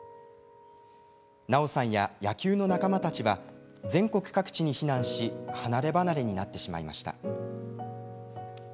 奈緒さんや野球の仲間たちは全国各地に避難し離れ離れになってしまいました。